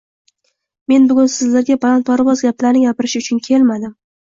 Men bugun sizlarga balandparvoz gaplarni gapirish uchun kelmadim.